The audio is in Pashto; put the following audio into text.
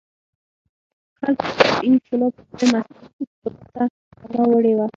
خلکو د طبیعي ښکلا پرځای مصنوعي ښکلا ته پناه وړې وه